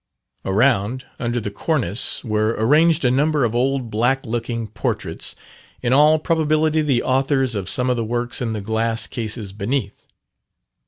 Around, under the cornice, were arranged a number of old black looking portraits, in all probability the authors of some of the works in the glass cases beneath.